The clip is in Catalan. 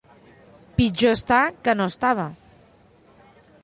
Pitjor està que no estava.